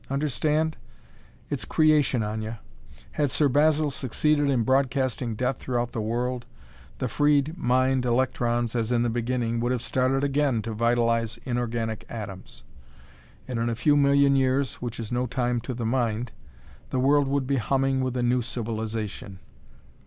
Understand? It's creation, Aña! Had Sir Basil succeeded in broadcasting death throughout the world, the freed mind electrons, as in the beginning, would have started again to vitalize inorganic atoms. And, in a few million years, which is no time to the Mind, the world would be humming with a new civilization.